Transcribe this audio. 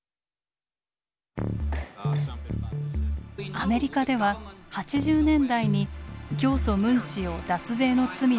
アメリカでは８０年代に教祖ムン氏を脱税の罪で起訴。